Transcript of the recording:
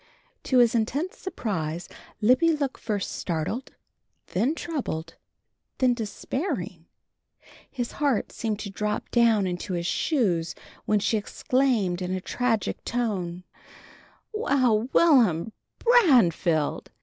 To his intense surprise Libby looked first startled, then troubled, then despairing. His heart seemed to drop down into his shoes when she exclaimed in a tragic tone: "Well, Will'm Branfield!